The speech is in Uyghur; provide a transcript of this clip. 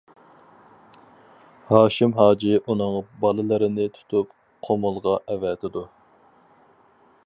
ھاشىم ھاجى ئۇنىڭ بالىلىرىنى تۇتۇپ قۇمۇلغا ئەۋەتىدۇ.